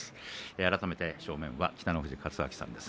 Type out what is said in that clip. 改めて正面の北の富士勝昭さんです。